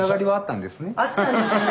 あったんですね。